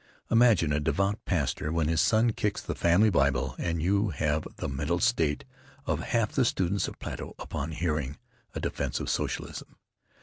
Imagine a devout pastor when his son kicks the family Bible and you have the mental state of half the students of Plato upon hearing a defense of socialism.